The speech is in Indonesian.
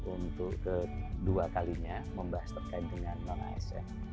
untuk kedua kalinya membahas terkait dengan non asn